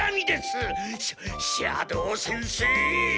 しゃ斜堂先生！